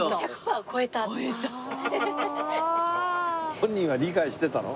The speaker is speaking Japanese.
本人は理解してたの？